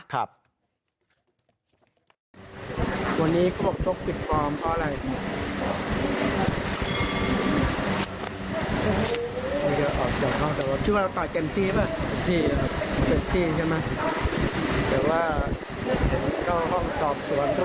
ครับ